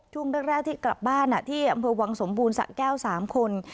ช่วงแรกที่กลับบ้านที่อำเภอวังสมบูรณ์สะแก้ว๓คน